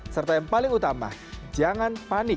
serta yang paling utama jangan panik